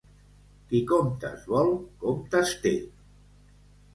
Qui comptes vol, comptes té.